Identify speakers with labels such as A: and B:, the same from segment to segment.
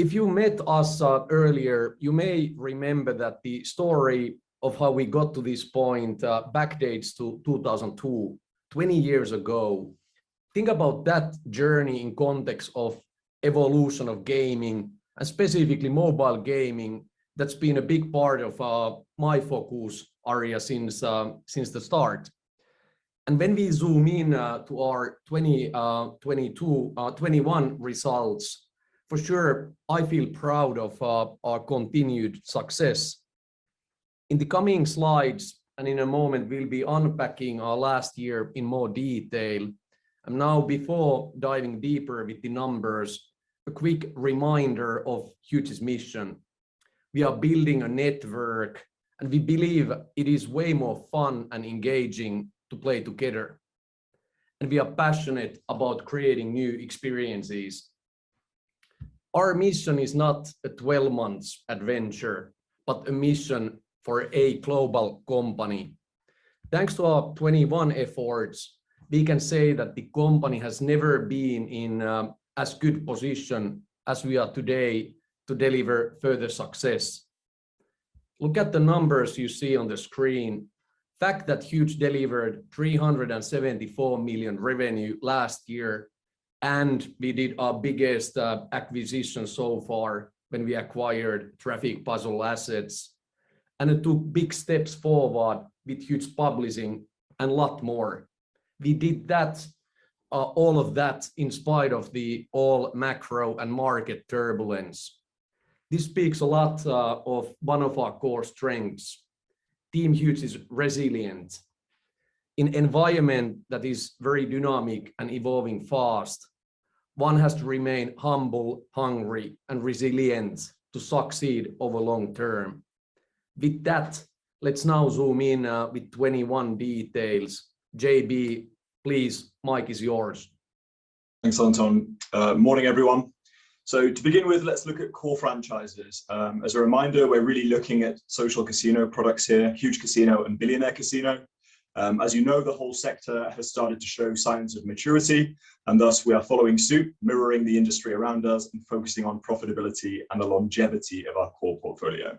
A: If you met us earlier, you may remember that the story of how we got to this point backdates to 2002, 20 years ago. Think about that journey in context of evolution of gaming, and specifically mobile gaming. That's been a big part of my focus area since the start. When we zoom in to our 2021 results, for sure, I feel proud of our continued success. In the coming slides, and in a moment, we'll be unpacking our last year in more detail. Now before diving deeper with the numbers, a quick reminder of Huuuge's mission. We are building a network, and we believe it is way more fun and engaging to play together, and we are passionate about creating new experiences. Our mission is not a 12-month adventure, but a mission for a global company. Thanks to our 2021 efforts, we can say that the company has never been in as good position as we are today to deliver further success. Look at the numbers you see on the screen. Fact that Huuuge delivered $374 million revenue last year, and we did our biggest acquisition so far when we acquired Traffic Puzzle assets, and it took big steps forward with Huuuge Publishing and lot more. We did that all of that in spite of all the macro and market turbulence. This speaks a lot of one of our core strengths. Team Huuuge is resilient. In environment that is very dynamic and evolving fast, one has to remain humble, hungry, and resilient to succeed over long term. With that, let's now zoom in with 2021 details. JB, please, mic is yours.
B: Thanks, Anton. Morning everyone. To begin with, let's look at core franchises. As a reminder, we're really looking at social casino products here, Huuuge Casino and Billionaire Casino. As you know, the whole sector has started to show signs of maturity, and thus we are following suit, mirroring the industry around us and focusing on profitability and the longevity of our core portfolio.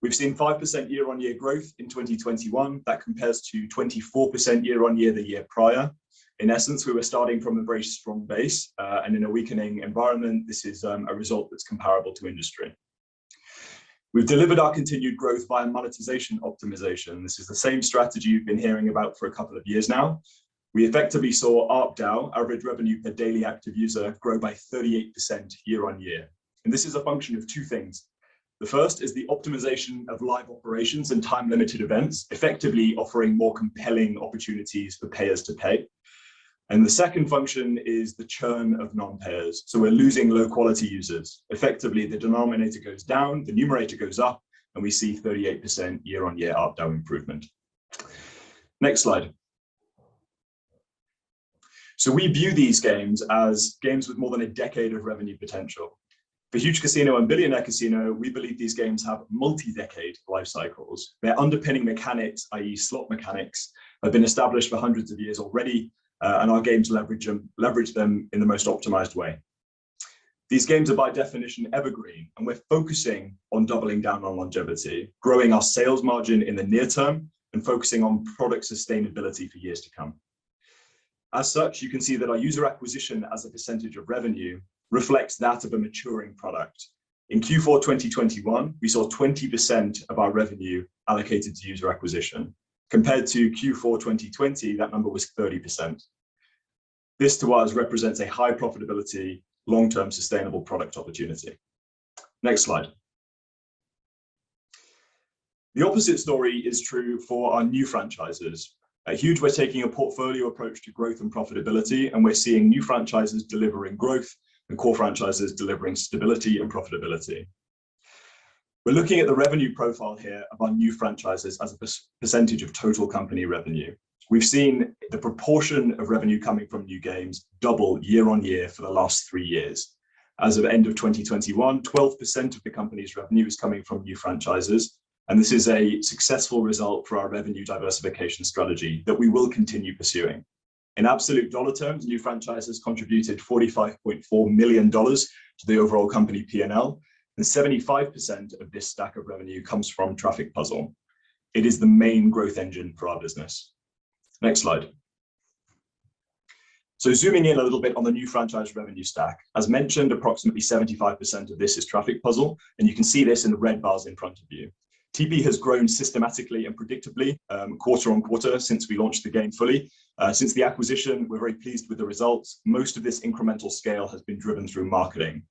B: We've seen 5% year-on-year growth in 2021. That compares to 24% year-on-year the year prior. In essence, we were starting from a very strong base. In a weakening environment, this is a result that's comparable to industry. We've delivered our continued growth by monetization optimization. This is the same strategy you've been hearing about for a couple of years now. We effectively saw ARPDAU, average revenue per daily active user, grow by 38% year-on-year, and this is a function of two things. The first is the optimization of live operations and time-limited events, effectively offering more compelling opportunities for payers to pay. The second function is the churn of non-payers, so we're losing low-quality users. Effectively, the denominator goes down, the numerator goes up, and we see 38% year-on-year ARPDAU improvement. Next slide. We view these games as games with more than a decade of revenue potential. For Huuuge Casino and Billionaire Casino, we believe these games have multi-decade life cycles. Their underpinning mechanics, i.e. slot mechanics, have been established for hundreds of years already, and our games leverage them in the most optimized way. These games are by definition evergreen, and we're focusing on doubling down on longevity, growing our sales margin in the near term, and focusing on product sustainability for years to come. As such, you can see that our user acquisition as a percentage of revenue reflects that of a maturing product. In Q4 2021, we saw 20% of our revenue allocated to user acquisition. Compared to Q4 2020, that number was 30%. This, to us, represents a high profitability, long-term sustainable product opportunity. Next slide. The opposite story is true for our new franchises. At Huuuge, we're taking a portfolio approach to growth and profitability, and we're seeing new franchises delivering growth and core franchises delivering stability and profitability. We're looking at the revenue profile here of our new franchises as a percentage of total company revenue. We've seen the proportion of revenue coming from new games double year-on-year for the last three years. As of end of 2021, 12% of the company's revenue is coming from new franchises, and this is a successful result for our revenue diversification strategy that we will continue pursuing. In absolute dollar terms, new franchises contributed $45.4 million to the overall company P&L, and 75% of this stack of revenue comes from Traffic Puzzle. It is the main growth engine for our business. Next slide. Zooming in a little bit on the new franchise revenue stack. As mentioned, approximately 75% of this is Traffic Puzzle, and you can see this in the red bars in front of you. TP has grown systematically and predictably, quarter-on-quarter since we launched the game fully. Since the acquisition, we're very pleased with the results. Most of this incremental scale has been driven through marketing.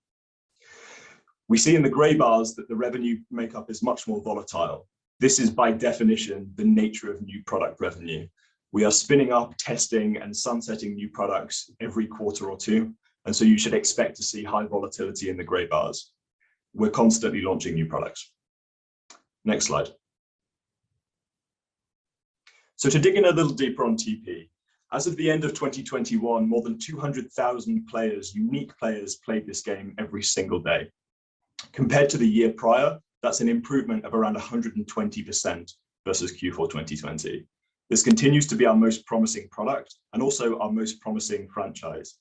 B: We see in the gray bars that the revenue makeup is much more volatile. This is by definition the nature of new product revenue. We are spinning up testing and sunsetting new products every quarter or two, and so you should expect to see high volatility in the gray bars. We're constantly launching new products. Next slide. To dig in a little deeper on TP, as of the end of 2021, more than 200,000 players, unique players, played this game every single day. Compared to the year prior, that's an improvement of around 120% versus Q4 2020. This continues to be our most promising product and also our most promising franchise.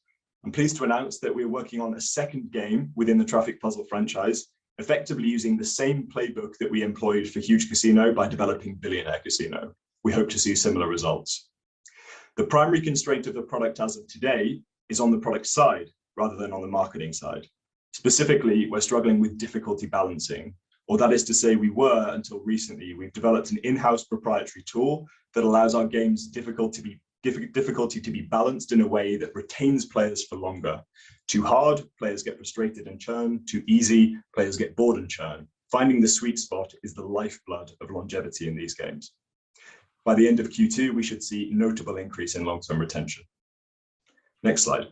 B: I'm pleased to announce that we're working on a second game within the Traffic Puzzle franchise, effectively using the same playbook that we employed for Huuuge Casino by developing Billionaire Casino. We hope to see similar results. The primary constraint of the product as of today is on the product side rather than on the marketing side. Specifically, we're struggling with difficulty balancing, or that is to say we were until recently. We've developed an in-house proprietary tool that allows our games' difficulty to be balanced in a way that retains players for longer. Too hard, players get frustrated and churn. Too easy, players get bored and churn. Finding the sweet spot is the lifeblood of longevity in these games. By the end of Q2, we should see notable increase in long-term retention. Next slide.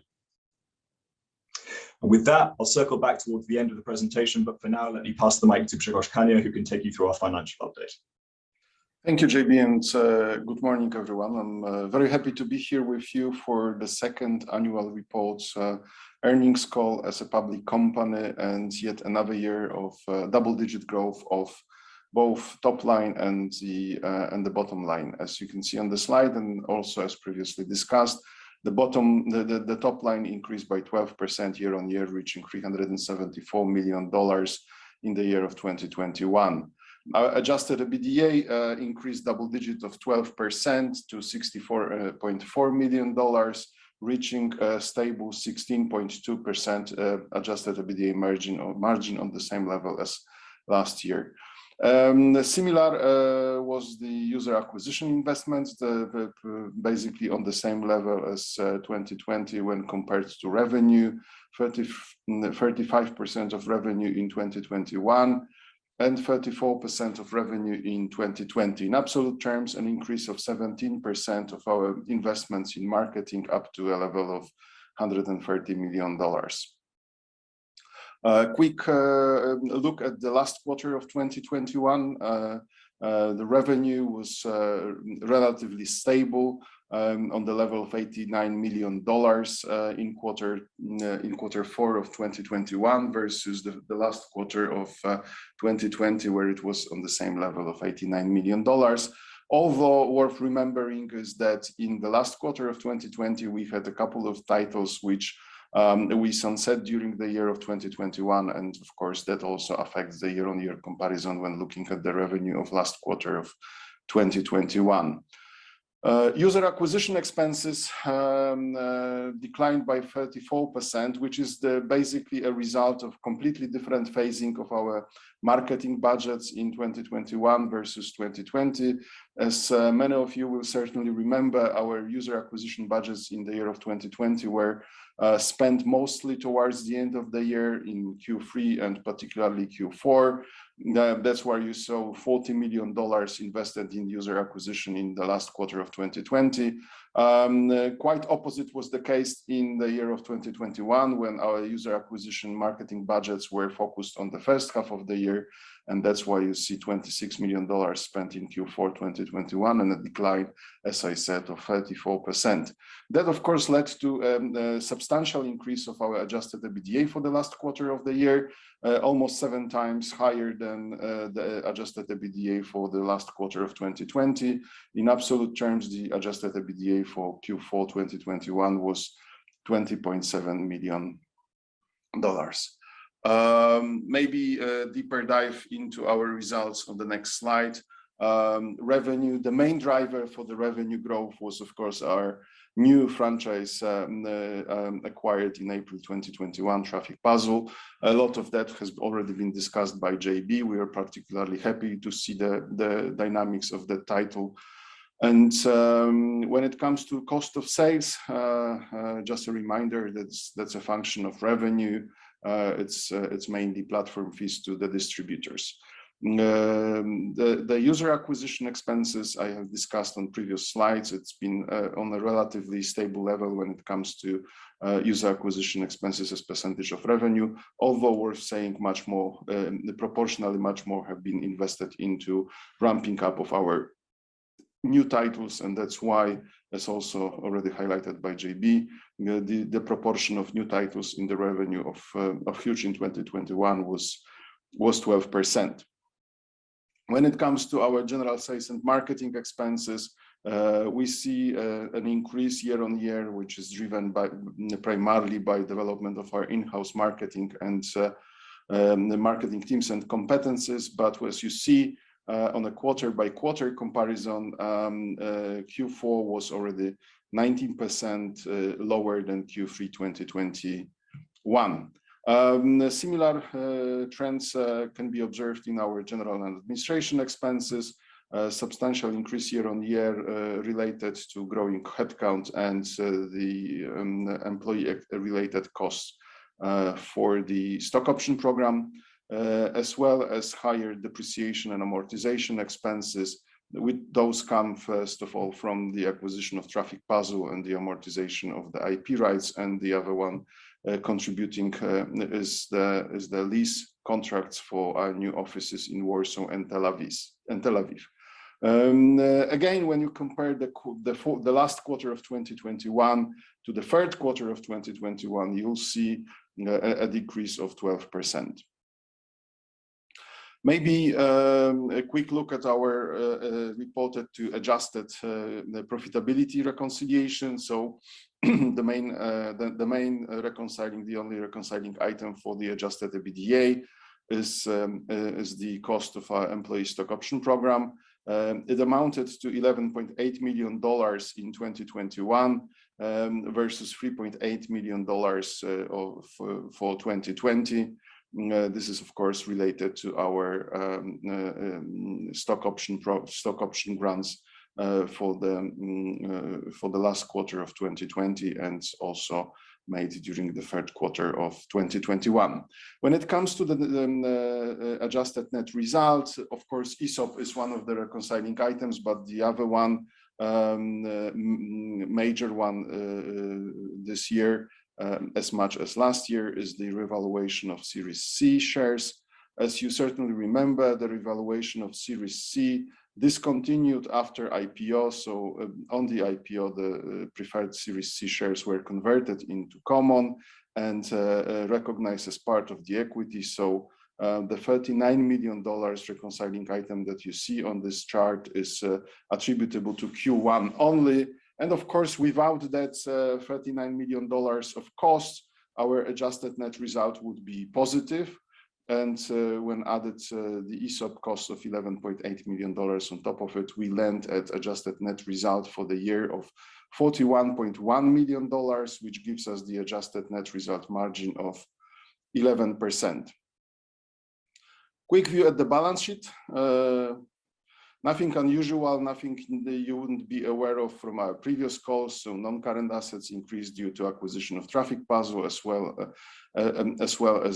B: With that, I'll circle back towards the end of the presentation, but for now, let me pass the mic to Grzegorz Kania, who can take you through our financial update.
C: Thank you, JB, and good morning, everyone. I'm very happy to be here with you for the second annual report's earnings call as a public company, and yet another year of double-digit growth of both top line and the bottom line. As you can see on the slide, and also as previously discussed, the top line increased by 12% year-on-year, reaching $374 million in the year of 2021. Our adjusted EBITDA increased double digits of 12% to $64.4 million, reaching a stable 16.2% adjusted EBITDA margin or margin on the same level as last year. Similar was the user acquisition investments, basically on the same level as 2020 when compared to revenue, 35% of revenue in 2021, and 34% of revenue in 2020. In absolute terms, an increase of 17% of our investments in marketing up to a level of $130 million. Quick look at the last quarter of 2021. The revenue was relatively stable on the level of $89 million in quarter four of 2021 versus the last quarter of 2020, where it was on the same level of $89 million. Although worth remembering is that in the last quarter of 2020, we've had a couple of titles which we sunset during the year of 2021, and of course, that also affects the year-on-year comparison when looking at the revenue of last quarter of 2021. User acquisition expenses declined by 34%, which is basically a result of completely different phasing of our marketing budgets in 2021 versus 2020. As many of you will certainly remember, our user acquisition budgets in the year of 2020 were spent mostly towards the end of the year in Q3 and particularly Q4. That's why you saw $40 million invested in user acquisition in the last quarter of 2020. The exact opposite was the case in the year of 2021 when our user acquisition marketing budgets were focused on the first half of the year, and that's why you see $26 million spent in Q4 2021, and a decline, as I said, of 34%. That, of course, led to a substantial increase of our adjusted EBITDA for the last quarter of the year almost 7x higher than the adjusted EBITDA for the last quarter of 2020. In absolute terms, the adjusted EBITDA for Q4 2021 was $20.7 million. Maybe a deeper dive into our results on the next slide. Revenue, the main driver for the revenue growth was, of course, our new franchise acquired in April 2021, Traffic Puzzle. A lot of that has already been discussed by JB. We are particularly happy to see the dynamics of the title. When it comes to cost of sales, just a reminder, that's a function of revenue. It's mainly platform fees to the distributors. The user acquisition expenses I have discussed on previous slides, it's been on a relatively stable level when it comes to user acquisition expenses as percentage of revenue, although worth saying much more, proportionally much more have been invested into ramping up of our new titles, and that's why, as also already highlighted by JB, the proportion of new titles in the revenue of Huuuge in 2021 was 12%. When it comes to our general sales and marketing expenses, we see an increase year-on-year, which is driven primarily by development of our in-house marketing and the marketing teams and competencies. As you see, on a quarter-by-quarter comparison, Q4 was already 19% lower than Q3 2021. Similar trends can be observed in our general and administrative expenses. A substantial increase year-on-year related to growing headcount and the employee-related costs for the stock option program as well as higher depreciation and amortization expenses. With those come first of all from the acquisition of Traffic Puzzle and the amortization of the IP rights, and the other one contributing is the lease contracts for our new offices in Warsaw and Tel Aviv. Again, when you compare the last quarter of 2021 to the first quarter of 2021, you'll see a decrease of 12%. Maybe a quick look at our reported to adjusted profitability reconciliation. The only reconciling item for the adjusted EBITDA is the cost of our employee stock option program. It amounted to $11.8 million in 2021 versus $3.8 million for 2020. This is of course related to our stock option grants for the last quarter of 2020, and also made during the third quarter of 2021. When it comes to the adjusted net results, of course, ESOP is one of the reconciling items, but the other one, the major one, this year, as much as last year, is the revaluation of Series C shares. As you certainly remember, the revaluation of Series C discontinued after IPO, so on the IPO, the preferred Series C shares were converted into common and recognized as part of the equity. The $39 million reconciling item that you see on this chart is attributable to Q1 only. Of course, without that $39 million of cost, our adjusted net result would be positive. When added to the ESOP cost of $11.8 million on top of it, we land at adjusted net result for the year of $41.1 million, which gives us the adjusted net result margin of 11%. Quick view at the balance sheet. Nothing unusual, nothing you wouldn't be aware of from our previous calls. Non-current assets increased due to acquisition of Traffic Puzzle as well as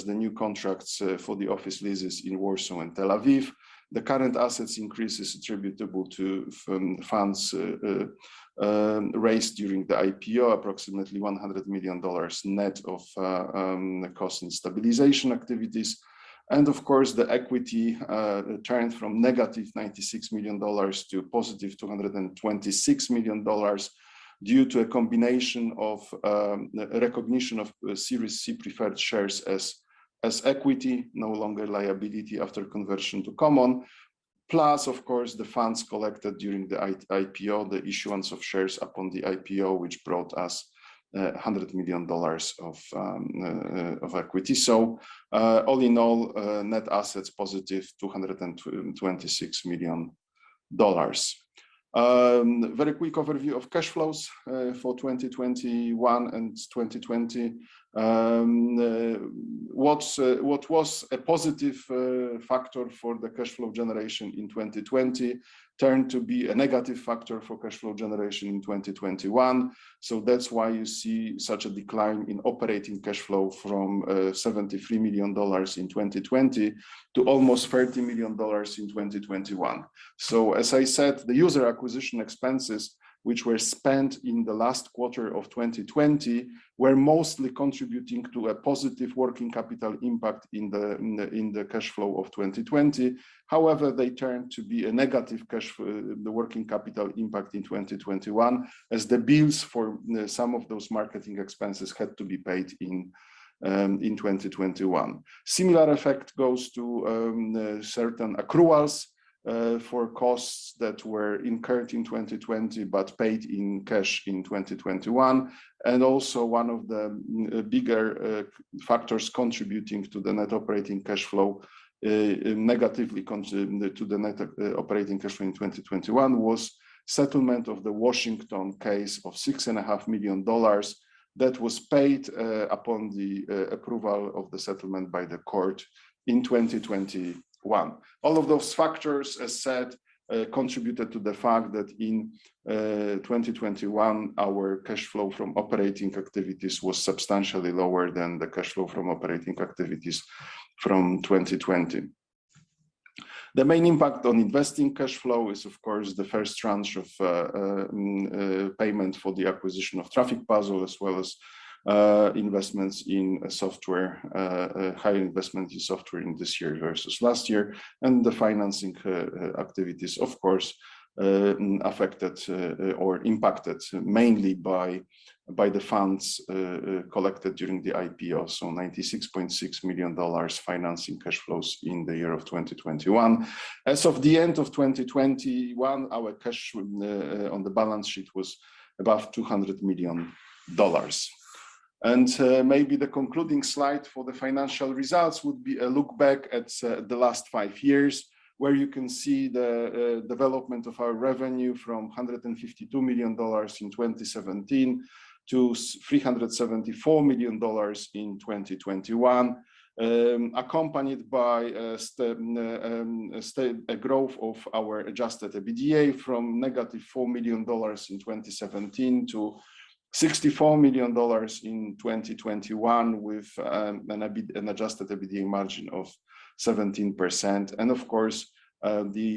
C: the new contracts for the office leases in Warsaw and Tel Aviv. The current assets increase is attributable to funds raised during the IPO, approximately $100 million net of the cost and stabilization activities. Of course, the equity turned from negative $96 million to positive $226 million due to a combination of recognition of Series C preferred shares as equity, no longer liability after conversion to common. Plus, of course, the funds collected during the IPO, the issuance of shares upon the IPO, which brought us $100 million of equity. All in all, net assets positive $226 million. Very quick overview of cash flows for 2021 and 2020. What was a positive factor for the cash flow generation in 2020 turned to be a negative factor for cash flow generation in 2021. That's why you see such a decline in operating cash flow from $73 million in 2020 to almost $30 million in 2021. As I said, the user acquisition expenses, which were spent in the last quarter of 2020, were mostly contributing to a positive working capital impact in the cash flow of 2020. However, they turned to be a negative the working capital impact in 2021 as the bills for some of those marketing expenses had to be paid in 2021. Similar effect goes to certain accruals for costs that were incurred in 2020, but paid in cash in 2021. Also one of the bigger factors contributing to the net operating cash flow negatively to the net operating cash flow in 2021 was settlement of the Washington case of $6.5 million that was paid upon the approval of the settlement by the court in 2021. All of those factors, as said, contributed to the fact that in 2021, our cash flow from operating activities was substantially lower than the cash flow from operating activities from 2020. The main impact on investing cash flow is, of course, the first tranche of payment for the acquisition of Traffic Puzzle, as well as investments in software, high investment in software in this year versus last year. The financing activities, of course, affected or impacted mainly by the funds collected during the IPO. $96.6 million financing cash flows in the year of 2021. As of the end of 2021, our cash on the balance sheet was above $200 million. Maybe the concluding slide for the financial results would be a look back at the last five years, where you can see the development of our revenue from $152 million in 2017 to $374 million in 2021, accompanied by a growth of our adjusted EBITDA from negative $4 million in 2017 to $64 million in 2021 with an adjusted EBITDA margin of 17%. Of course, the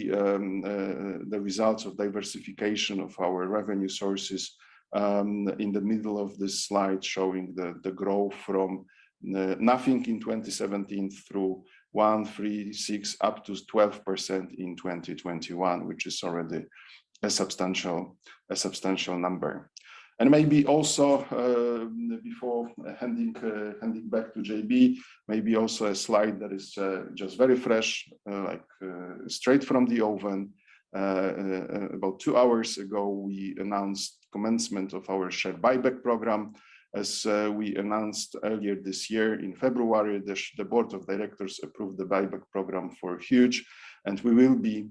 C: results of diversification of our revenue sources, in the middle of this slide showing the growth from nothing in 2017 through 1.36% up to 12% in 2021, which is already a substantial number. Maybe also before handing back to JB, maybe also a slide that is just very fresh, like straight from the oven. About two hours ago, we announced commencement of our share buyback program. As we announced earlier this year in February, the board of directors approved the buyback program for Huuuge, and we will be–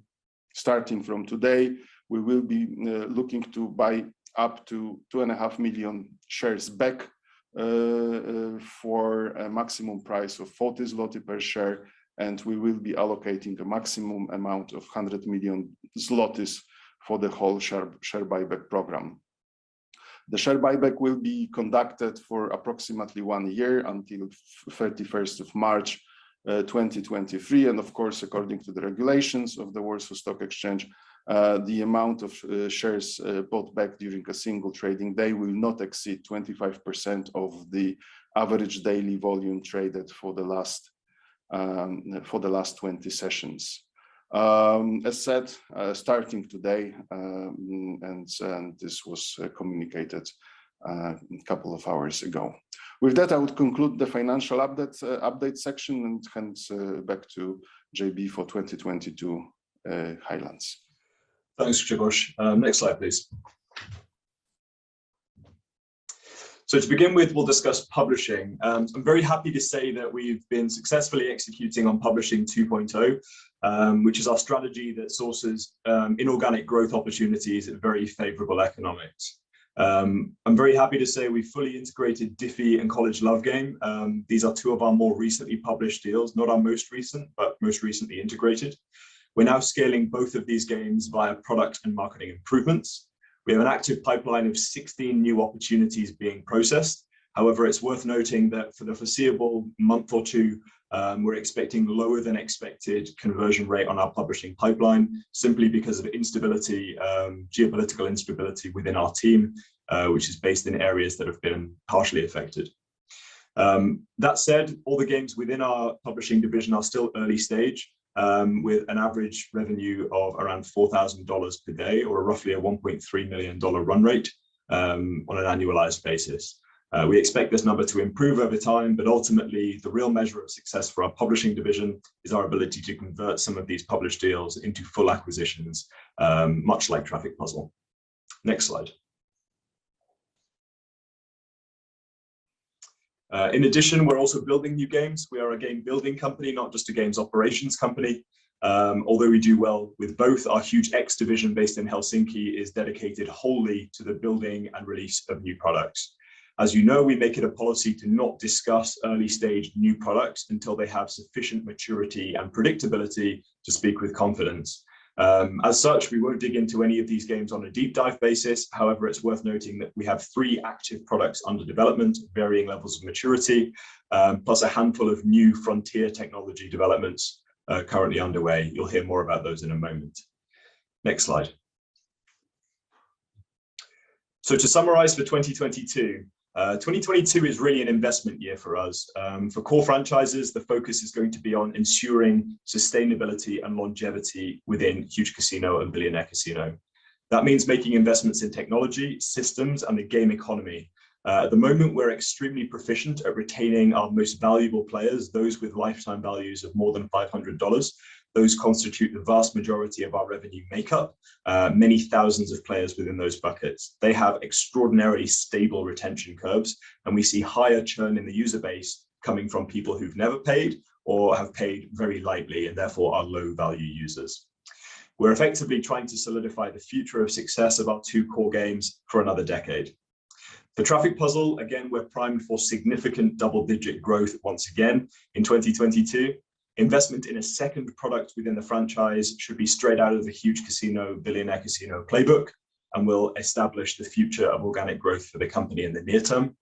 C: Starting from today, we will be looking to buy up to 2.5 million shares back for a maximum price of 40 zloty per share, and we will be allocating the maximum amount of 100 million zlotys for the whole share buyback program. The share buyback will be conducted for approximately one year until the 31st of March 2023, and of course, according to the regulations of the Warsaw Stock Exchange, the amount of shares bought back during a single trading day will not exceed 25% of the average daily volume traded for the last 20 sessions. As said, starting today, and this was communicated a couple of hours ago. With that, I would conclude the financial update section and hand back to JB for 2022 highlights.
B: Thanks, Grzegorz. Next slide, please. To begin with, we'll discuss publishing. I'm very happy to say that we've been successfully executing on Publishing 2.0, which is our strategy that sources inorganic growth opportunities at very favorable economics. I'm very happy to say we've fully integrated DeFi and College Love Game. These are two of our more recently published deals, not our most recent, but most recently integrated. We're now scaling both of these games via product and marketing improvements. We have an active pipeline of 16 new opportunities being processed. However, it's worth noting that for the foreseeable month or two, we're expecting lower than expected conversion rate on our publishing pipeline simply because of instability, geopolitical instability within our team, which is based in areas that have been partially affected. That said, all the games within our publishing division are still early stage, with an average revenue of around $4,000 per day, or roughly a $1.3 million run rate, on an annualized basis. We expect this number to improve over time, but ultimately, the real measure of success for our publishing division is our ability to convert some of these published deals into full acquisitions, much like Traffic Puzzle. Next slide. In addition, we're also building new games. We are a game building company, not just a games operations company. Although we do well with both, our HuuugeX division based in Helsinki is dedicated wholly to the building and release of new products. As you know, we make it a policy to not discuss early stage new products until they have sufficient maturity and predictability to speak with confidence. As such, we won't dig into any of these games on a deep dive basis. However, it's worth noting that we have three active products under development, varying levels of maturity, plus a handful of new frontier technology developments, currently underway. You'll hear more about those in a moment. Next slide. To summarize for 2022 is really an investment year for us. For core franchises, the focus is going to be on ensuring sustainability and longevity within Huuuge Casino and Billionaire Casino. That means making investments in technology, systems, and the game economy. At the moment we're extremely proficient at retaining our most valuable players, those with lifetime values of more than $500. Those constitute the vast majority of our revenue makeup, many thousands of players within those buckets. They have extraordinarily stable retention curves, and we see higher churn in the user base coming from people who've never paid or have paid very lightly, and therefore are low-value users. We're effectively trying to solidify the future of success of our two core games for another decade. For Traffic Puzzle, again, we're primed for significant double-digit growth once again in 2022. Investment in a second product within the franchise should be straight out of the Huuuge Casino, Billionaire Casino playbook and will establish the future of organic growth for the company in the near term.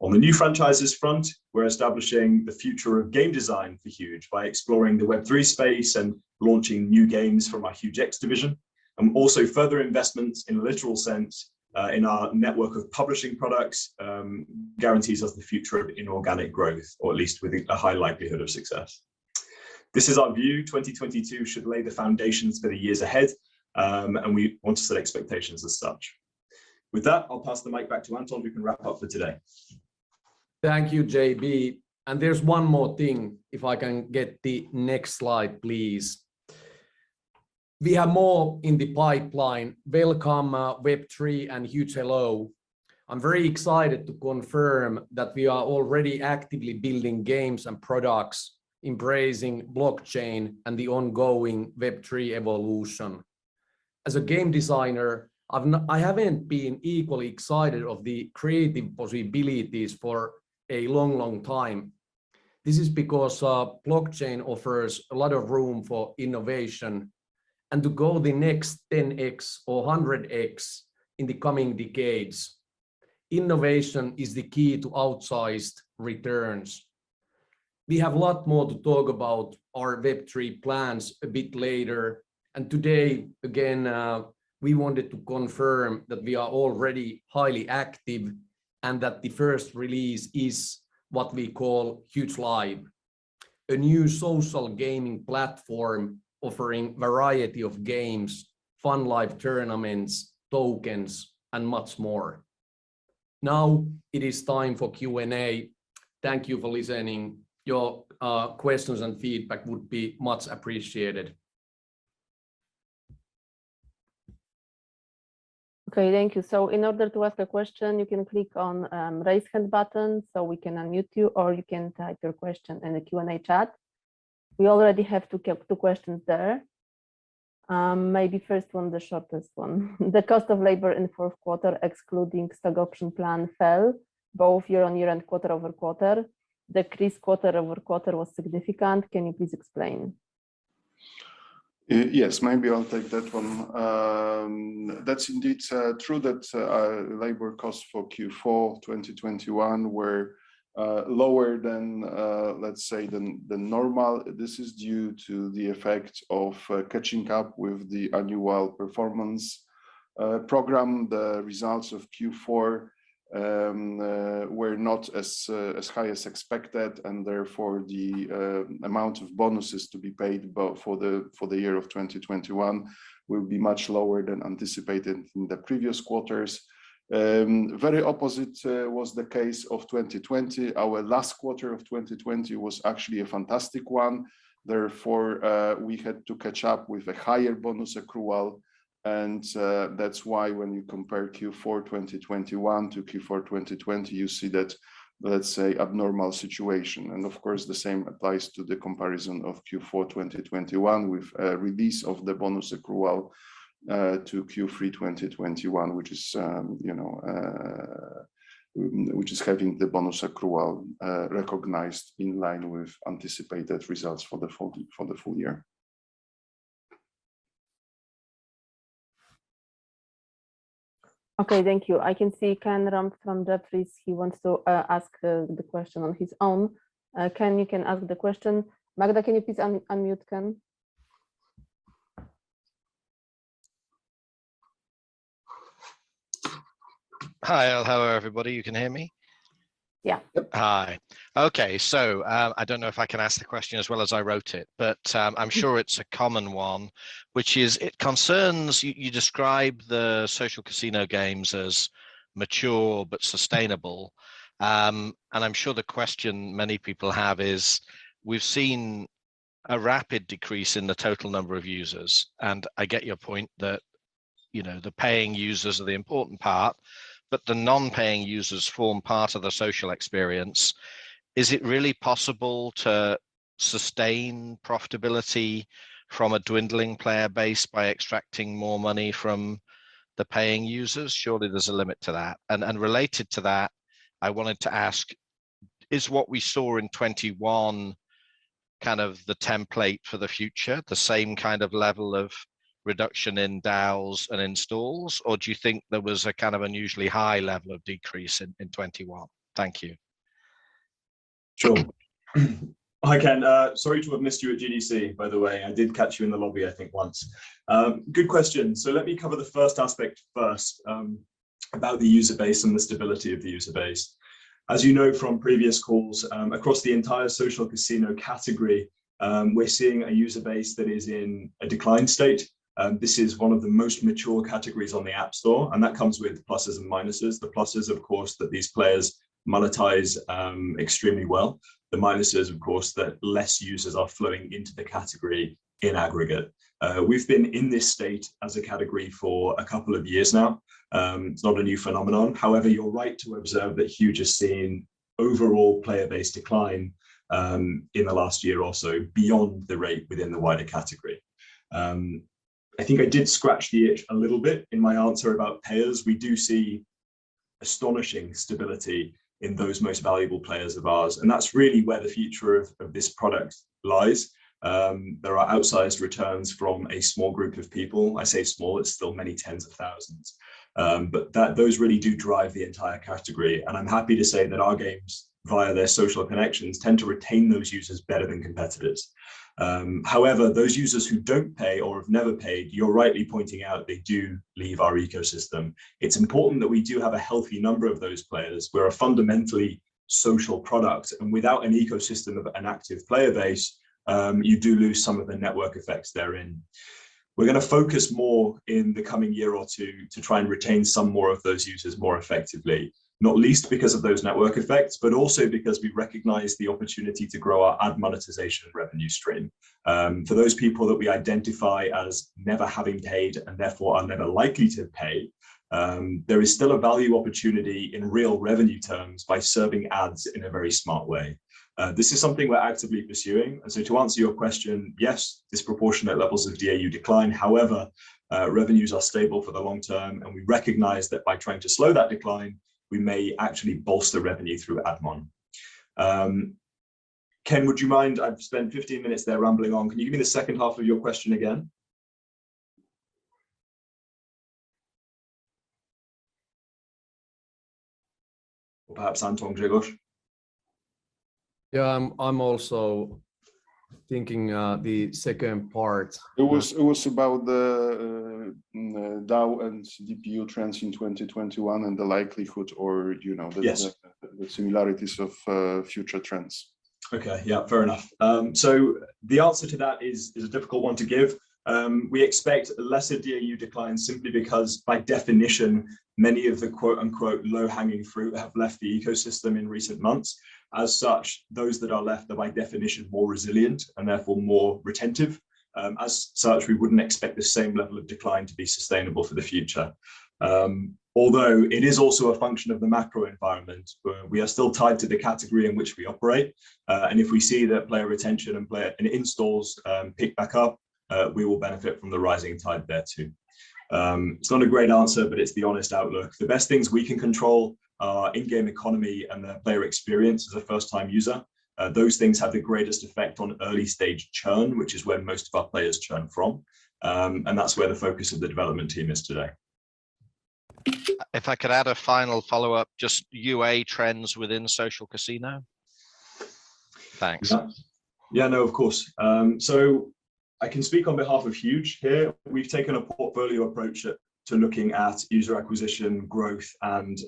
B: On the new franchises front, we're establishing the future of game design for Huuuge by exploring the Web3 space and launching new games from our HuuugeX division, and also further investments in a literal sense in our network of publishing products guarantees us the future of inorganic growth, or at least with a high likelihood of success. This is our view. 2022 should lay the foundations for the years ahead, and we want to set expectations as such. With that, I'll pass the mic back to Anton, who can wrap up for today.
A: Thank you, JB, and there's one more thing if I can get the next slide, please. We have more in the pipeline, Welcome, Web3, and Huuuge Hello. I'm very excited to confirm that we are already actively building games and products, embracing blockchain and the ongoing Web3 evolution. As a game designer, I haven't been equally excited of the creative possibilities for a long, long time. This is because, blockchain offers a lot of room for innovation and to go the next 10x or 100x in the coming decades. Innovation is the key to outsized returns. We have a lot more to talk about our Web3 plans a bit later, and today, again, we wanted to confirm that we are already highly active and that the first release is what we call Huuuge Live, a new social gaming platform offering variety of games, fun live tournaments, tokens, and much more. Now it is time for Q&A. Thank you for listening. Your questions and feedback would be much appreciated.
D: Okay, thank you. In order to ask a question, you can click on raise hand button so we can unmute you, or you can type your question in the Q&A chat. We already have two questions there. Maybe first one the shortest one. The cost of labor in fourth quarter, excluding stock option plan fell both year-over-year and quarter-over-quarter. Decrease quarter-over-quarter was significant. Can you please explain?
C: Yes, maybe I'll take that one. That's indeed true that labor costs for Q4 2021 were lower than, let's say, normal. This is due to the effect of catching up with the annual performance program. The results of Q4 were not as high as expected, and therefore, the amount of bonuses to be paid for the year of 2021 will be much lower than anticipated from the previous quarters. Very opposite was the case of 2020. Our last quarter of 2020 was actually a fantastic one, therefore, we had to catch up with a higher bonus accrual and that's why when you compare Q4 2021 to Q4 2020, you see that, let's say, abnormal situation. Of course, the same applies to the comparison of Q4 2021 with a release of the bonus accrual to Q3 2021, which is, you know, having the bonus accrual recognized in line with anticipated results for the full year.
D: Okay, thank you. I can see Ken Rumph from Jefferies, he wants to ask the question on his own. Ken, you can ask the question. Magda, can you please unmute Ken?
E: Hi. Hello, everybody. You can hear me?
D: Yeah.
E: Hi. Okay. I don't know if I can ask the question as well as I wrote it, but I'm sure it's a common one, which is, you describe the social casino games as mature but sustainable. I'm sure the question many people have is, we've seen a rapid decrease in the total number of users, and I get your point that, you know, the paying users are the important part, but the non-paying users form part of the social experience. Is it really possible to sustain profitability from a dwindling player base by extracting more money from the paying users? Surely there's a limit to that. Related to that, I wanted to ask, is what we saw in 2021 kind of the template for the future, the same kind of level of reduction in DAUs and installs, or do you think there was a kind of unusually high level of decrease in 2021? Thank you.
B: Sure. Hi, Ken. Sorry to have missed you at GDC, by the way. I did catch you in the lobby, I think, once. Good question. Let me cover the first aspect first, about the user base and the stability of the user base. As you know from previous calls, across the entire social casino category, we're seeing a user base that is in a decline state. This is one of the most mature categories on the App Store, and that comes with pluses and minuses. The pluses, of course, that these players monetize extremely well. The minuses, of course, that less users are flowing into the category in aggregate. We've been in this state as a category for a couple of years now. It's not a new phenomenon. However, you're right to observe that Huuuge has seen overall player base decline in the last year or so beyond the rate within the wider category. I think I did scratch the itch a little bit in my answer about payers. We do see astonishing stability in those most valuable players of ours, and that's really where the future of this product lies. There are outsized returns from a small group of people. I say small, it's still many tens of thousands. But those really do drive the entire category, and I'm happy to say that our games, via their social connections, tend to retain those users better than competitors. However, those users who don't pay or have never paid, you're rightly pointing out they do leave our ecosystem. It's important that we do have a healthy number of those players. We're a fundamentally social product, and without an ecosystem of an active player base, you do lose some of the network effects therein. We're gonna focus more in the coming year or two to try and retain some more of those users more effectively, not least because of those network effects, but also because we recognize the opportunity to grow our ad monetization revenue stream. For those people that we identify as never having paid and therefore are never likely to pay, there is still a value opportunity in real revenue terms by serving ads in a very smart way. This is something we're actively pursuing. To answer your question, yes, disproportionate levels of DAU decline. However, revenues are stable for the long term, and we recognize that by trying to slow that decline, we may actually bolster revenue through ad mon. Ken, would you mind? I've spent 15 minutes there rambling on. Can you give me the second half of your question again? Or perhaps Anton, Grzegorz?
A: Yeah. I'm also thinking, the second part-
C: It was about the DAU and DPU trends in 2021 and the likelihood or, you know-
B: Yes
C: The similarities of future trends
B: Okay. Yeah, fair enough. The answer to that is a difficult one to give. We expect a lesser DAU decline simply because by definition many of the quote-unquote low-hanging fruit have left the ecosystem in recent months. As such, those that are left are by definition more resilient and therefore more retentive. As such, we wouldn't expect the same level of decline to be sustainable for the future. Although it is also a function of the macro environment, but we are still tied to the category in which we operate. If we see that player retention and installs pick back up, we will benefit from the rising tide there too. It's not a great answer, but it's the honest outlook. The best things we can control are in-game economy and the player experience as a first-time user. Those things have the greatest effect on early-stage churn, which is where most of our players churn from, and that's where the focus of the development team is today.
E: If I could add a final follow-up, just UA trends within social casino? Thanks.
B: Yeah, no, of course. I can speak on behalf of Huuuge here. We've taken a portfolio approach to looking at user acquisition, growth, and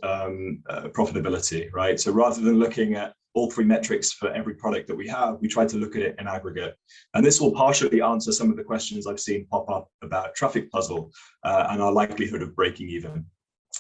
B: profitability, right? Rather than looking at all three metrics for every product that we have, we try to look at it in aggregate, and this will partially answer some of the questions I've seen pop up about Traffic Puzzle and our likelihood of breaking even.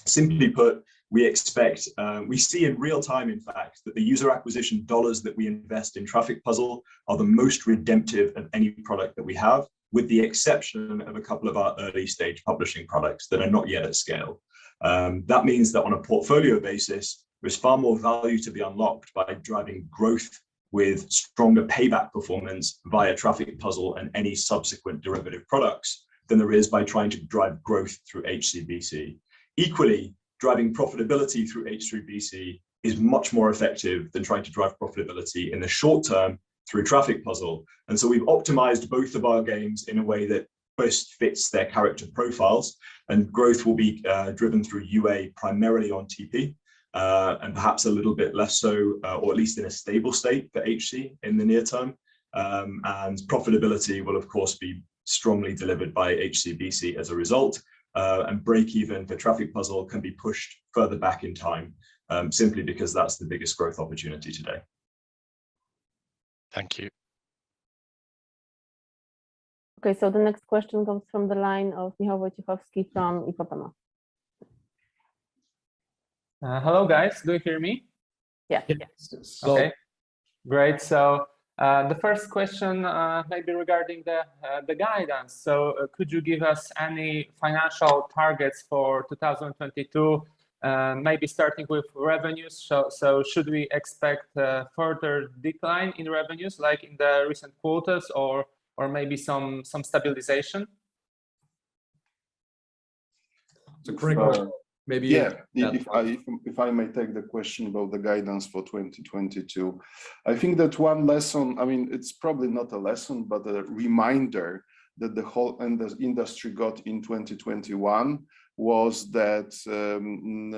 B: Simply put, we expect we see in real time, in fact, that the user acquisition dollars that we invest in Traffic Puzzle are the most redemptive of any product that we have, with the exception of a couple of our early-stage publishing products that are not yet at scale. That means that on a portfolio basis, there's far more value to be unlocked by driving growth with stronger payback performance via Traffic Puzzle and any subsequent derivative products than there is by trying to drive growth through HCBC. Equally, driving profitability through HCBC is much more effective than trying to drive profitability in the short term through Traffic Puzzle. We've optimized both of our games in a way that best fits their character profiles and growth will be driven through UA primarily on TP. Perhaps a little bit less so, or at least in a stable state for HC in the near term. Profitability will of course be strongly delivered by HCBC as a result. Break even for Traffic Puzzle can be pushed further back in time, simply because that's the biggest growth opportunity today.
E: Thank you.
D: Okay. The next question comes from the line of Michał Wojciechowski from Ipopema.
F: Hello, guys. Do you hear me?
D: Yeah.
B: Yes.
F: Okay. Great. The first question may be regarding the guidance. Could you give us any financial targets for 2022, maybe starting with revenues? Should we expect a further decline in revenues like in the recent quarters or maybe some stabilization?
B: It's a great question.
C: Yeah
B: Anton.
C: If I may take the question about the guidance for 2022. I think that one lesson, I mean, it's probably not a lesson, but a reminder that the whole industry got in 2021 was that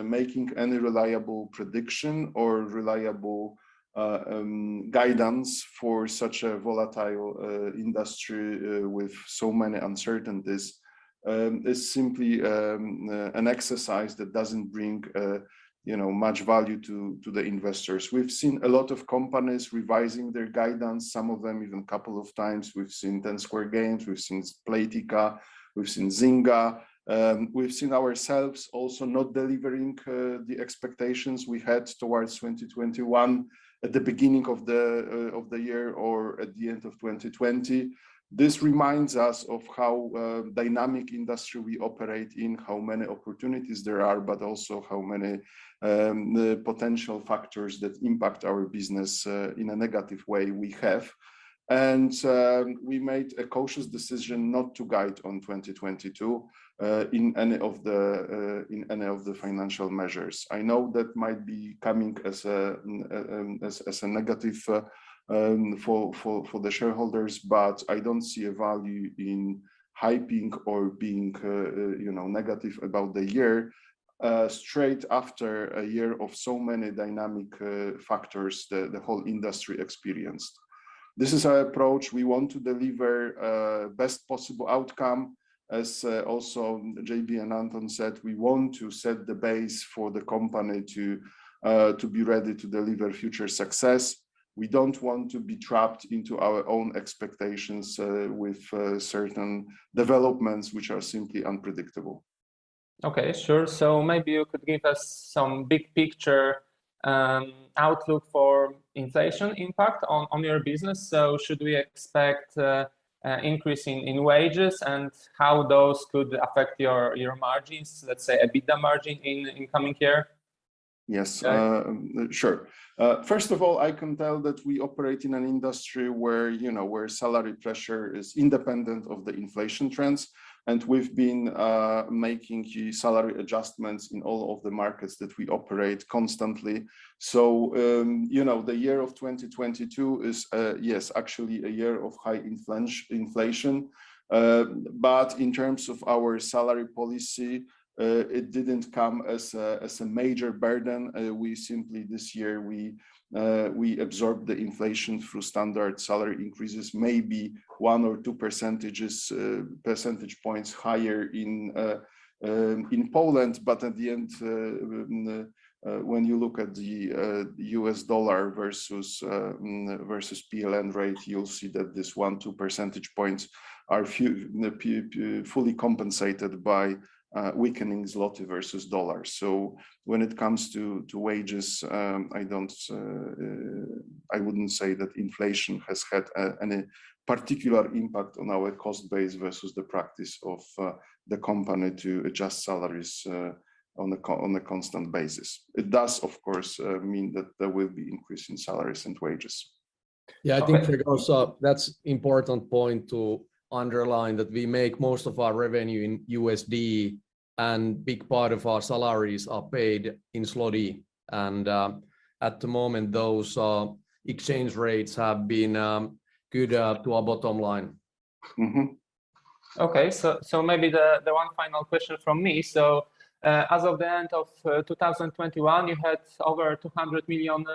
C: making any reliable prediction or reliable guidance for such a volatile industry with so many uncertainties is simply an exercise that doesn't bring you know much value to the investors. We've seen a lot of companies revising their guidance, some of them even couple of times. We've seen Ten Square Games, we've seen Playtika, we've seen Zynga, we've seen ourselves also not delivering the expectations we had towards 2021 at the beginning of the year or at the end of 2020. This reminds us of how dynamic industry we operate in, how many opportunities there are, but also how many potential factors that impact our business in a negative way we have. We made a cautious decision not to guide on 2022 in any of the financial measures. I know that might be coming as a negative for the shareholders, but I don't see a value in hyping or being, you know, negative about the year straight after a year of so many dynamic factors the whole industry experienced. This is our approach. We want to deliver best possible outcome as also JB and Anton said, we want to set the base for the company to be ready to deliver future success. We don't want to be trapped into our own expectations, with certain developments which are simply unpredictable.
F: Okay. Sure. Maybe you could give us some big picture outlook for inflation impact on your business. Should we expect increase in wages and how those could affect your margins, let's say, EBITDA margin in coming year?
C: Yes. Sure. First of all, I can tell that we operate in an industry where, you know, where salary pressure is independent of the inflation trends, and we've been making key salary adjustments in all of the markets that we operate constantly. You know, the year of 2022 is, yes, actually a year of high inflation. But in terms of our salary policy, it didn't come as a major burden. We simply this year we absorbed the inflation through standard salary increases, maybe one or two percentage points higher in Poland. But at the end, when you look at the U.S. dollar versus PLN rate, you'll see that this one or two percentage points are fully compensated by weakening zloty versus dollar. When it comes to wages, I wouldn't say that inflation has had any particular impact on our cost base versus the practice of the company to adjust salaries on a constant basis. It does of course mean that there will be increase in salaries and wages.
A: Yeah, I think, Grzegorz, that's important point to underline, that we make most of our revenue in USD, and big part of our salaries are paid in zloty. At the moment, those exchange rates have been good to our bottom line.
C: Mm-hmm.
F: Maybe the one final question from me. As of the end of 2021, you had over $200 million.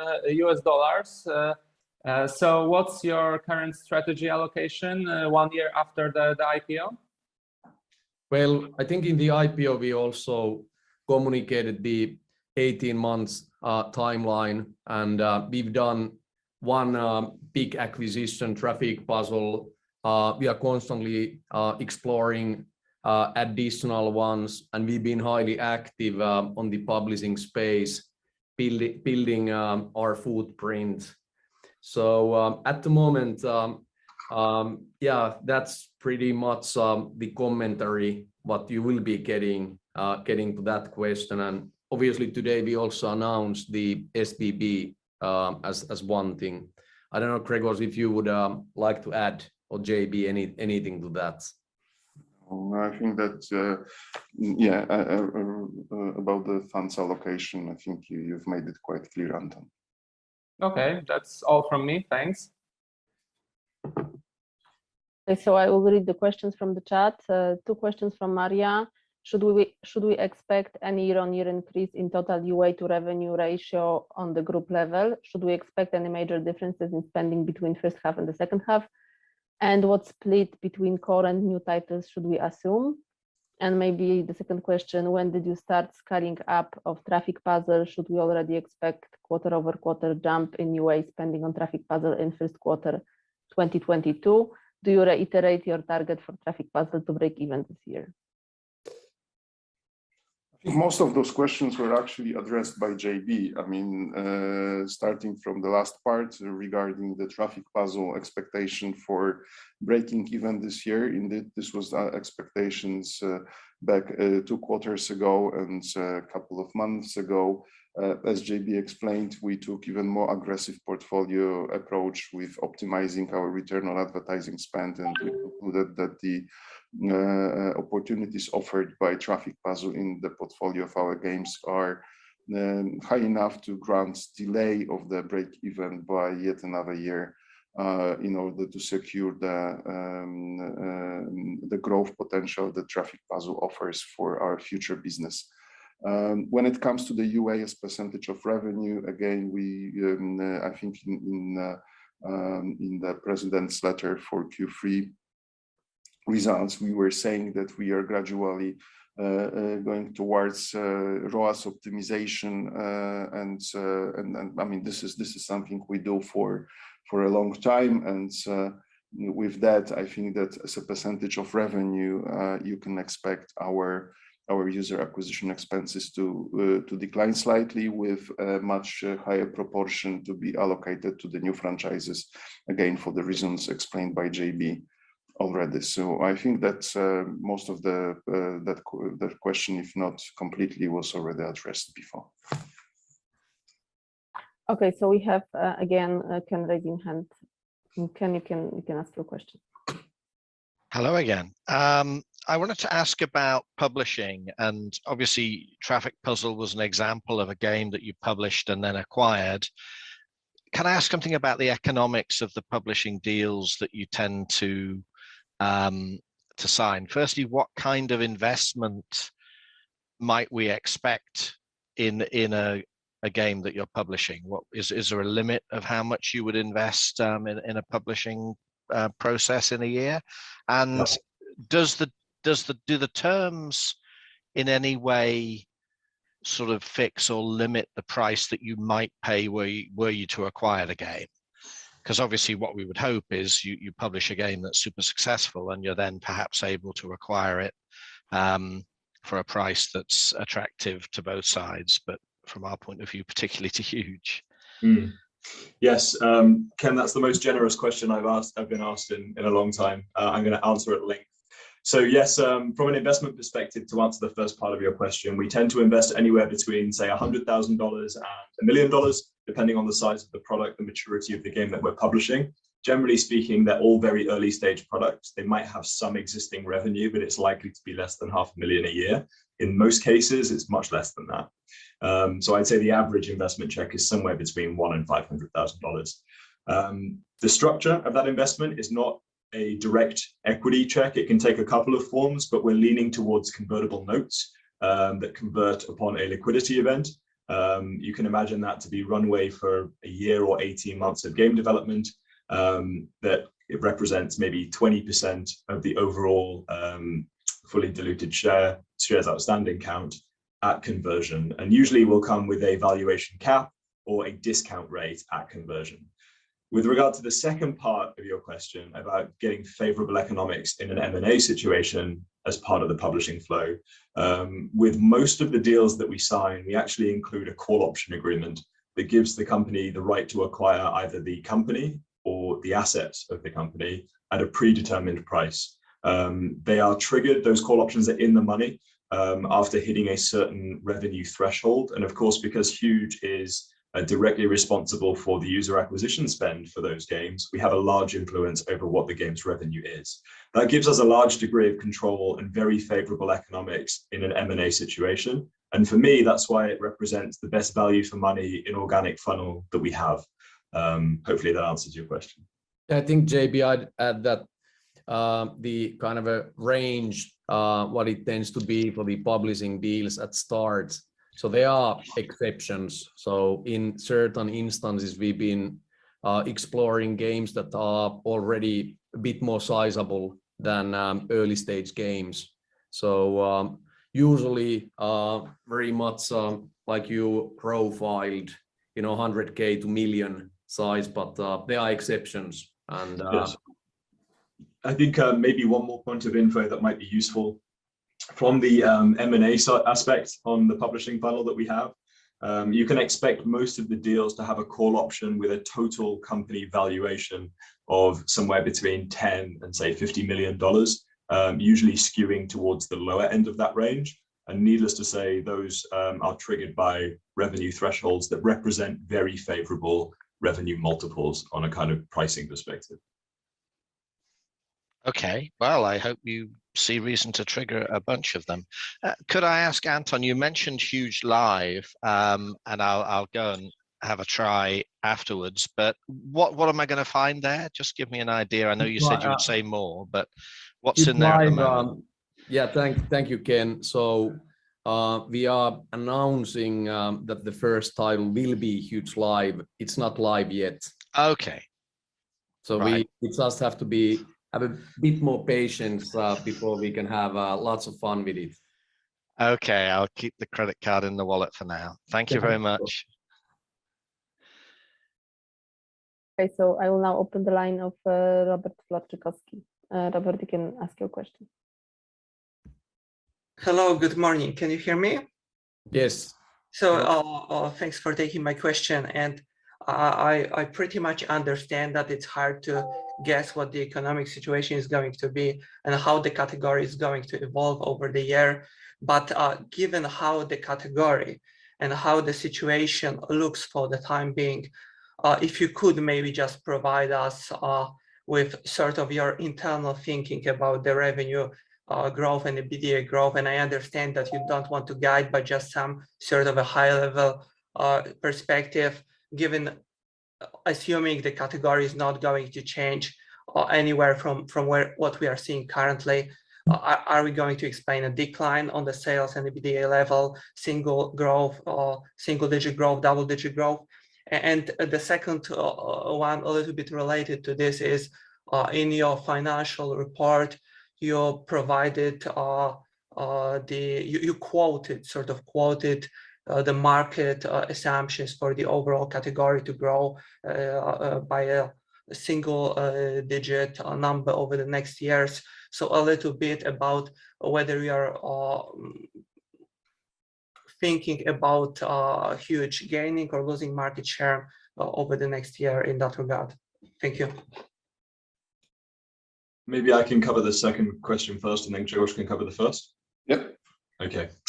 F: What's your current strategy allocation one year after the IPO?
A: Well, I think in the IPO we also communicated the 18 months timeline, and we've done one big acquisition, Traffic Puzzle. We are constantly exploring additional ones, and we've been highly active on the publishing space building our footprint. At the moment, yeah, that's pretty much the commentary what you will be getting to that question. Obviously today we also announced the SBB as one thing. I don't know, Grzegorz, if you would like to add or JB, anything to that?
C: No, I think that about the funds allocation, I think you've made it quite clear, Anton.
F: Okay. That's all from me. Thanks.
D: Okay. I will read the questions from the chat. Two questions from Maria. Should we expect any year-on-year increase in total UA to revenue ratio on the group level? Should we expect any major differences in spending between first half and the second half? What split between core and new titles should we assume? Maybe the second question, when did you start scaling up of Traffic Puzzle? Should we already expect quarter-over-quarter jump in UA spending on Traffic Puzzle in first quarter 2022? Do you reiterate your target for Traffic Puzzle to break even this year?
C: I think most of those questions were actually addressed by JB. I mean, starting from the last part regarding the Traffic Puzzle expectation for breaking even this year, indeed this was our expectations back two quarters ago, and couple of months ago. As JB explained, we took even more aggressive portfolio approach with optimizing our return on advertising spend, and we concluded that the opportunities offered by Traffic Puzzle in the portfolio of our games are high enough to grant delay of the break even by yet another year in order to secure the growth potential that Traffic Puzzle offers for our future business. When it comes to the UA as a percentage of revenue, again, we, I think in the president's letter for Q3 results, we were saying that we are gradually going towards ROAS optimization. I mean, this is something we do for a long time. With that, I think that as a percentage of revenue, you can expect our user acquisition expenses to decline slightly with much higher proportion to be allocated to the new franchises, again, for the reasons explained by JB already. I think that most of that question, if not completely, was already addressed before.
D: Okay. We have, again, Ken Rumph in hand. Ken, you can ask your question.
E: Hello again. I wanted to ask about publishing, and obviously Traffic Puzzle was an example of a game that you published and then acquired. Can I ask something about the economics of the publishing deals that you tend to sign? Firstly, what kind of investment might we expect in a game that you're publishing? Is there a limit of how much you would invest in a publishing process in a year? And do the terms in any way sort of fix or limit the price that you might pay were you to acquire the game? 'Cause obviously what we would hope is you publish a game that's super successful, and you're then perhaps able to acquire it, for a price that's attractive to both sides, but from our point of view, particularly to Huuuge.
B: Yes, Ken, that's the most generous question I've been asked in a long time. I'm gonna answer at length. Yes, from an investment perspective, to answer the first part of your question, we tend to invest anywhere between, say, $100,000-$1 million, depending on the size of the product, the maturity of the game that we're publishing. Generally speaking, they're all very early stage products. They might have some existing revenue, but it's likely to be less than half a million dollars a year. In most cases, it's much less than that. I'd say the average investment check is somewhere between $100,000 and $500,000. The structure of that investment is not a direct equity check. It can take a couple of forms, but we're leaning towards convertible notes that convert upon a liquidity event. You can imagine that to be runway for a year or 18 months of game development, that it represents maybe 20% of the overall fully diluted shares outstanding count at conversion, and usually will come with a valuation cap or a discount rate at conversion. With regard to the second part of your question about getting favorable economics in an M&A situation as part of the publishing flow, with most of the deals that we sign, we actually include a call option agreement that gives the company the right to acquire either the company or the assets of the company at a predetermined price. They are triggered, those call options are in the money after hitting a certain revenue threshold, and of course, because Huuuge is directly responsible for the user acquisition spend for those games, we have a large influence over what the game's revenue is. That gives us a large degree of control and very favorable economics in an M&A situation. For me, that's why it represents the best value for money in organic funnel that we have. Hopefully that answers your question.
A: I think JB, I'd add that, the kind of a range, what it tends to be for the publishing deals at start, so there are exceptions. In certain instances, we've been exploring games that are already a bit more sizable than early-stage games. Usually, very much like you profiled, you know, 100K to 1 million size, but there are exceptions and
B: Yes. I think maybe one more point of info that might be useful from the M&A side aspect on the publishing funnel that we have, you can expect most of the deals to have a call option with a total company valuation of somewhere between $10 million and say $50 million, usually skewing towards the lower end of that range. Needless to say, those are triggered by revenue thresholds that represent very favorable revenue multiples on a kind of pricing perspective.
E: Well, I hope you see reason to trigger a bunch of them. Could I ask Anton, you mentioned Huuuge Live, and I'll go and have a try afterwards, but what am I gonna find there? Just give me an idea. I know you said you would say more, but what's in there at the moment?
A: It's live. Yeah. Thank you, Ken. We are announcing that the first title will be Huuuge Live. It's not live yet.
E: Okay. Right.
A: We just have to have a bit more patience before we can have lots of fun with it.
E: Okay. I'll keep the credit card in the wallet for now. Thank you very much.
A: Okay. No problem.
D: Okay. I will now open the line of Robert Wojciechowski. Robert, you can ask your question.
G: Hello. Good morning. Can you hear me?
A: Yes.
G: Thanks for taking my question, and I pretty much understand that it's hard to guess what the economic situation is going to be and how the category is going to evolve over the year. Given how the category and how the situation looks for the time being, if you could maybe just provide us with sort of your internal thinking about the revenue growth and EBITDA growth. I understand that you don't want to guide, but just some sort of a high-level perspective given assuming the category is not going to change anywhere from what we are seeing currently, are we going to expect a decline in sales and EBITDA level, single-digit growth, or double-digit growth? The second one, a little bit related to this is, in your financial report, you sort of quoted the market assumptions for the overall category to grow by a single digit number over the next years. A little bit about whether you are thinking about Huuuge gaining or losing market share over the next year in that regard. Thank you.
B: Maybe I can cover the second question first, and then George can cover the first.
A: Yep.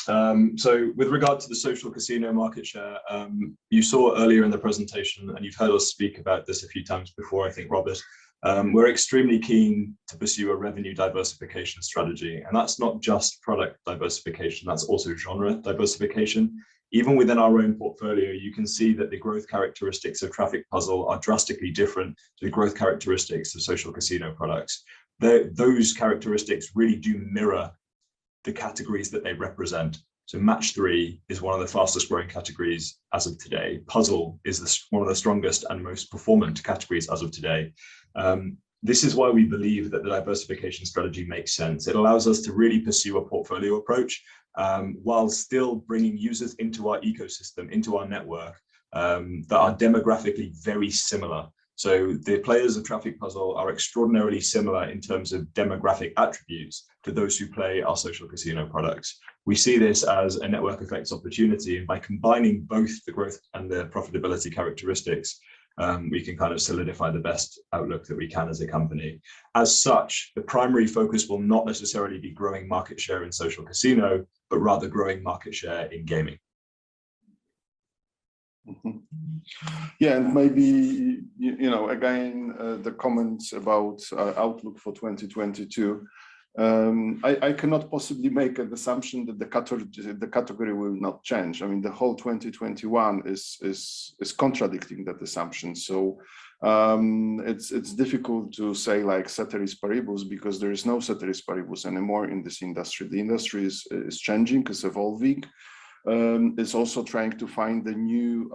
B: With regard to the social casino market share, you saw earlier in the presentation, and you've heard us speak about this a few times before, I think, Robert, we're extremely keen to pursue a revenue diversification strategy, and that's not just product diversification, that's also genre diversification. Even within our own portfolio, you can see that the growth characteristics of Traffic Puzzle are drastically different to the growth characteristics of social casino products. Those characteristics really do mirror the categories that they represent. Match-3 is one of the fastest-growing categories as of today. Puzzle is one of the strongest and most performant categories as of today. This is why we believe that the diversification strategy makes sense. It allows us to really pursue a portfolio approach, while still bringing users into our ecosystem, into our network, that are demographically very similar. The players of Traffic Puzzle are extraordinarily similar in terms of demographic attributes to those who play our social casino products. We see this as a network effects opportunity, and by combining both the growth and the profitability characteristics, we can kind of solidify the best outlook that we can as a company. As such, the primary focus will not necessarily be growing market share in social casino, but rather growing market share in gaming.
C: Mm-hmm. Yeah, maybe you know, again, the comments about outlook for 2022, I cannot possibly make an assumption that the category will not change. I mean, the whole 2021 is contradicting that assumption. It's difficult to say, like, ceteris paribus because there is no ceteris paribus anymore in this industry. The industry is changing, is evolving, is also trying to find the new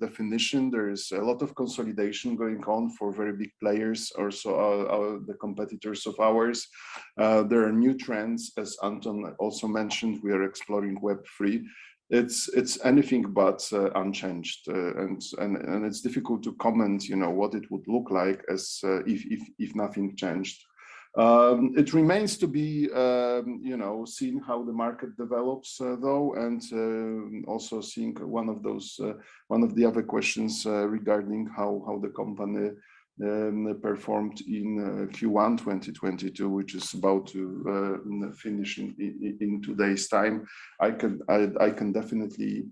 C: definition. There is a lot of consolidation going on for very big players, also our competitors. There are new trends, as Anton also mentioned. We are exploring Web3. It's anything but unchanged, and it's difficult to comment, you know, what it would look like if nothing changed. It remains to be, you know, seen how the market develops, though, and also one of the other questions regarding how the company performed in Q1 2022, which is about to finish in today's time. I can definitely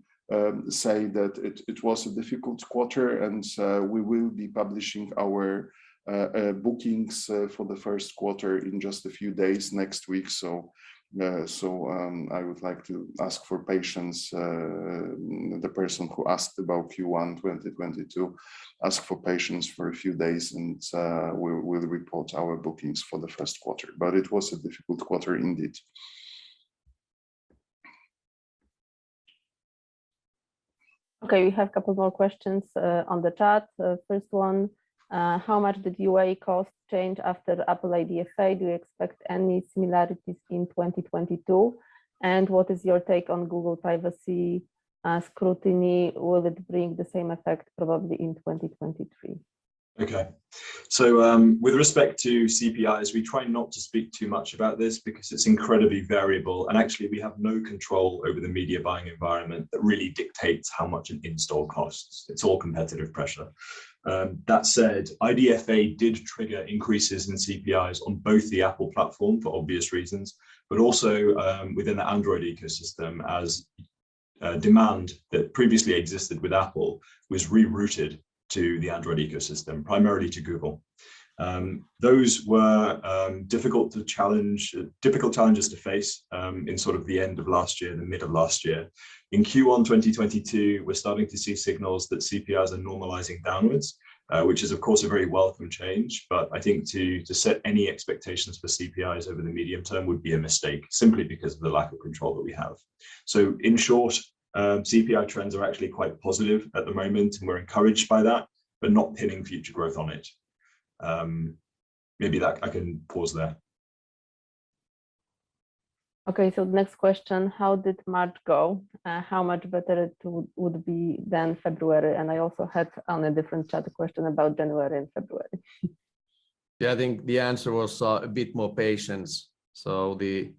C: say that it was a difficult quarter, and we will be publishing our bookings for the first quarter in just a few days next week. I would like to ask for patience, the person who asked about Q1 2022, for a few days, and we'll report our bookings for the first quarter, but it was a difficult quarter indeed.
D: Okay, we have a couple more questions on the chat. The first one, "How much did UA cost change after Apple IDFA? Do you expect any similarities in 2022? And what is your take on Google privacy scrutiny? Will it bring the same effect probably in 2023?
B: Okay. With respect to CPIs, we try not to speak too much about this because it's incredibly variable, and actually, we have no control over the media buying environment that really dictates how much an install costs. It's all competitive pressure. That said, IDFA did trigger increases in CPIs on both the Apple platform, for obvious reasons, but also within the Android ecosystem as demand that previously existed with Apple was rerouted to the Android ecosystem, primarily to Google. Those were difficult challenges to face in sort of the end of last year, the middle of last year. In Q1 2022, we're starting to see signals that CPIs are normalizing downwards, which is, of course, a very welcome change. I think to set any expectations for CPIs over the medium term would be a mistake simply because of the lack of control that we have. In short, CPI trends are actually quite positive at the moment, and we're encouraged by that, but not pinning future growth on it. Maybe that. I can pause there.
D: Okay, so next question, "How did March go? how much better it would be than February?" I also had on a different chat a question about January and February.
A: Yeah, I think the answer was a bit more patience. The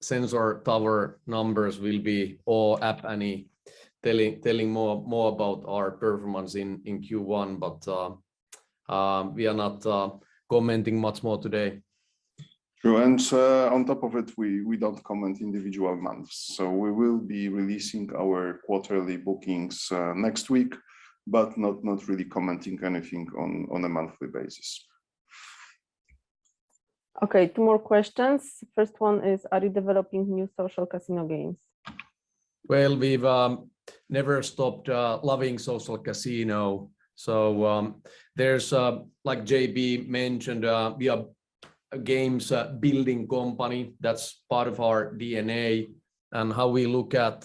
A: Sensor Tower numbers will be, or App Annie, telling more about our performance in Q1, but we are not commenting much more today.
C: True. On top of it, we don't comment on individual months. We will be releasing our quarterly bookings next week, but not really commenting anything on a monthly basis.
D: Okay, two more questions. First one is, "Are you developing new social casino games?
A: Well, we've never stopped loving social casino. There's like JB mentioned, we are a games building company. That's part of our DNA and how we look at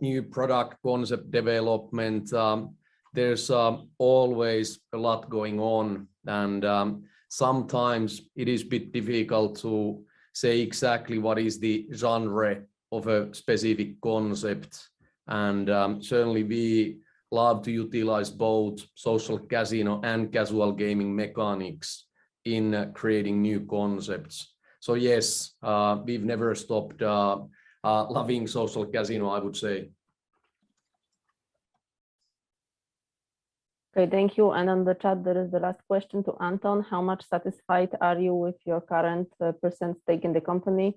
A: new product concept development. There's always a lot going on, and sometimes it's a bit difficult to say exactly what is the genre of a specific concept. Certainly we love to utilize both social casino and casual gaming mechanics in creating new concepts. Yes, we've never stopped loving social casino, I would say.
D: Okay, thank you. On the chat, there is the last question to Anton. "How much satisfied are you with your current percent stake in the company?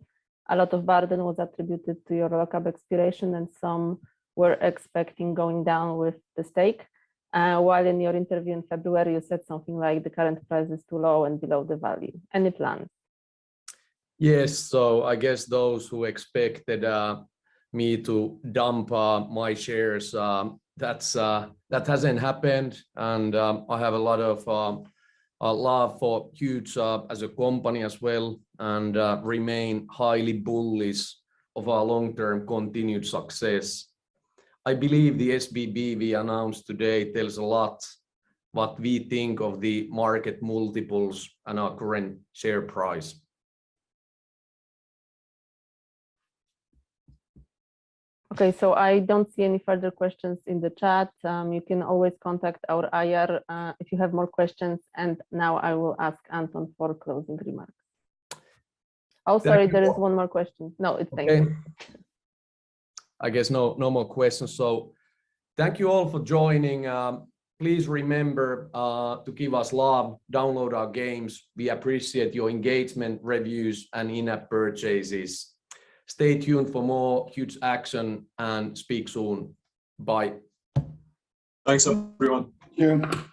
D: A lot of burden was attributed to your lock-up expiration, and some were expecting going down with the stake. While in your interview in February, you said something like the current price is too low and below the value. Any plan?
A: I guess those who expected me to dump my shares, that hasn't happened. I have a lot of love for Huuuge as a company as well and remain highly bullish on our long-term continued success. I believe the SBB we announced today tells a lot what we think of the market multiples and our current share price.
D: Okay, I don't see any further questions in the chat. You can always contact our IR if you have more questions. Now I will ask Anton for closing remarks. Oh, sorry.
A: Thank you.
D: There is one more question. No, it's thank you.
A: Okay. I guess no more questions. Thank you all for joining. Please remember to give us love, download our games. We appreciate your engagement, reviews, and in-app purchases. Stay tuned for more Qute action, and speak soon. Bye.
B: Thanks everyone.
C: Thank you.